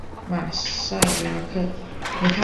马赛拉克。